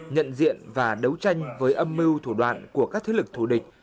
nhận diện và đấu tranh với âm mưu thủ đoạn của các thế lực thù địch